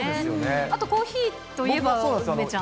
あとコーヒーといえば梅ちゃん。